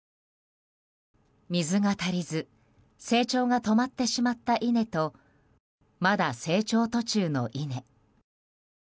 水が足りず成長が止まってしまった稲とまだ成長途中の稲。